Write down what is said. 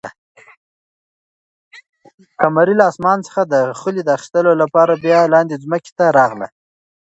قمرۍ له اسمانه څخه د خلي د اخیستلو لپاره بیا لاندې ځمکې ته راغله.